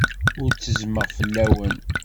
Ur ttezzmeɣ fell-awen.